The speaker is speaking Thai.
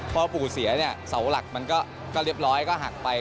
พ่อปู่เสียเนี่ยเสาหลักมันก็เรียบร้อยก็หักไป